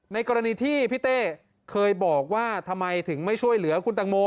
กรณีที่พี่เต้เคยบอกว่าทำไมถึงไม่ช่วยเหลือคุณตังโม